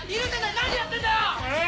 何やってんだよ！えっ！？